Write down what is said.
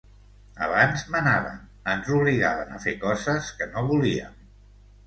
Abans manaven, ens obligaven a fer coses que no volíem.